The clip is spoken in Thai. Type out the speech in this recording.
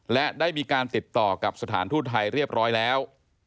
และได้มีการติดต่อกับสถานทูตไทยเรียบร้อยแล้ว